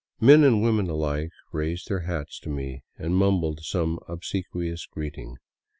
Men and women alike raised their hats to me an^ mumbled some obsequious greeting.